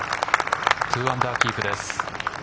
２アンダーキープです。